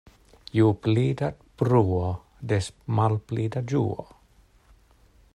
Ju pli da bruo, des malpli da ĝuo.